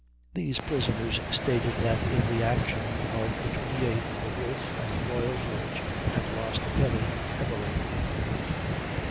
These prisoners stated that in the action of the 28th the Wolfe and Royal George had lost very heavily.